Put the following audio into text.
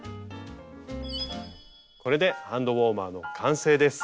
これでハンドウォーマーの完成です！